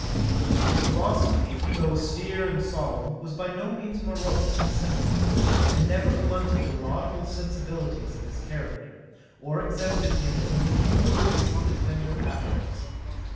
'His philosophy, though austere and solemn, was by no means morose and cynical, and never blunted the laudable sensibilities of his character, or exempted him from the influence of the tender passions.